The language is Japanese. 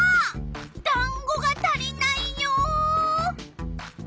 だんごが足りないよ！